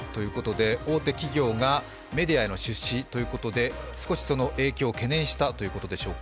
大手企業がメディアへの出資ということで、少しその影響を気にしたということでしょうか。